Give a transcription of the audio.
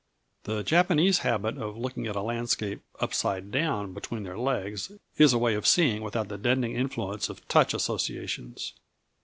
The Japanese habit of looking at a landscape upside down between their legs is a way of seeing without the deadening influence of touch associations.